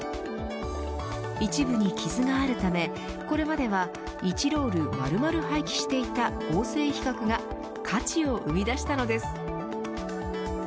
一部に傷があるためこれまでは１ロール丸々廃棄していた合成皮革が価値を生み出したのです。